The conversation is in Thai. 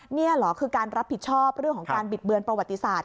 นี่เหรอคือการรับผิดชอบเรื่องของการบิดเบือนประวัติศาสต